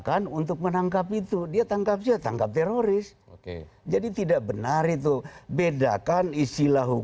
kalau kemudian dibawa ke pengadilan terdakwa